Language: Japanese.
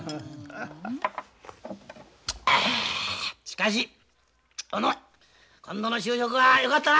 しかし小野今度の就職はよかったな。